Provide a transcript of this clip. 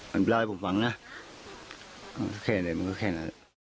มันเล่าให้ผมฟังนะแค่นั้น